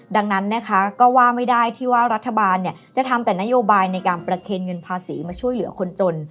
ดังนั้นนะคะก็ว่าไม่ได้ที่ว่ารัฐบาลจะทำแต่นโยบายในการประเคนเงินภาษีมาช่วยเหลือคนจน